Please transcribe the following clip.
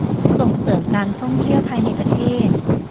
ส่งเสริมการท่องเที่ยวภายในประเทศ